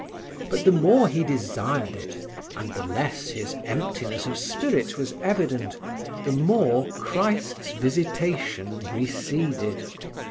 But the more he desired it and the less his emptiness of spirit was evident, the more Christ's visitation receded.